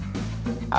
agus yang uruskan